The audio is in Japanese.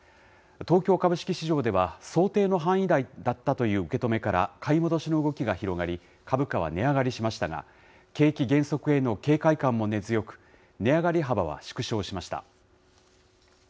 東京株式市場では、想定の範囲内だったという受け止めから、買い戻しの動きが広がり、株価は値上がりしましたが、景気減速への警戒感も根強く、値上がり幅は縮小しました。